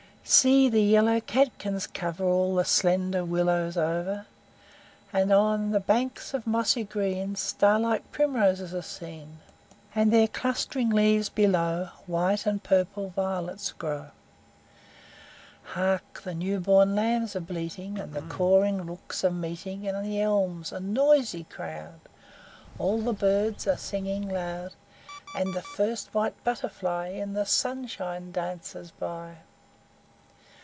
See, the yellow catkins cover All the slender willows over! And on the banks of mossy green Star like primroses are seen; And, their clustering leaves below, White and purple violets grow. Hark! the new born lambs are bleating And the cawing rooks are meeting In the elms, a noisy crowd; All the birds are singing loud; And the first white butterfly In the sunshine dances by.